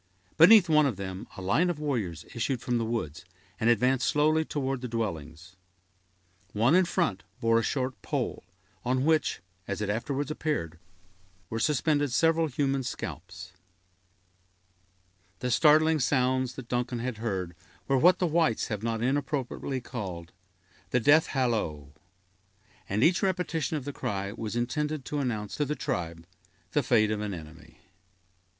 Beneath one of them, a line of warriors issued from the woods, and advanced slowly toward the dwellings. One in front bore a short pole, on which, as it afterwards appeared, were suspended several human scalps. The startling sounds that Duncan had heard were what the whites have not inappropriately called the "death hallo"; and each repetition of the cry was intended to announce to the tribe the fate of an enemy.